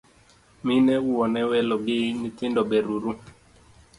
Mine, wuone, welo gi nyithindo ber uru?